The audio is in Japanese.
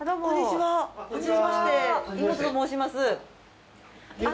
はい。